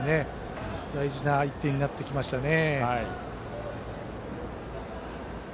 大事な１点になりましたね。